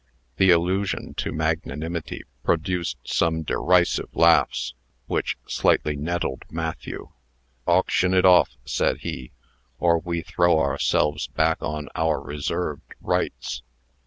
The allusion to magnanimity produced some derisive laughs, which slightly nettled Matthew. "Auction it off," said he, "or we throw ourselves back on our reserved rights."